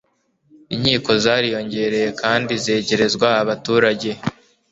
inkiko zariyongereye kandi zegerezwa abaturage